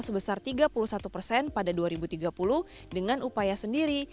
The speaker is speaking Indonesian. sebesar tiga puluh satu persen pada dua ribu tiga puluh dengan upaya sendiri